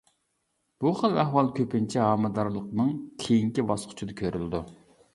بۇ خىل ئەھۋال كۆپىنچە ھامىلىدارلىقنىڭ كېيىنكى باسقۇچىدا كۆرۈلىدۇ.